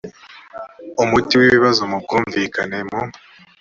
umuti w ibibazo mu bwumvikane mu